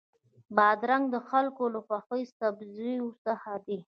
بادرنګ د خلکو له خوښو سبزیو څخه دی.